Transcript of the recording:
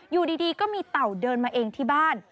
อยู่ดีก็มีเต่าเดินมาเองที่บ้าน